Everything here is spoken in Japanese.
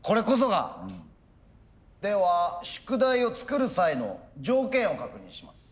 では宿題を作る際の条件を確認します。